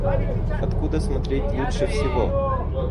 Откуда смотреть лучше всего?